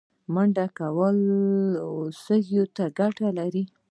منډه کول سږو ته ګټه لري